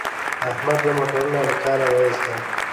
احمد دوه موټرونه له کاره و ایستل.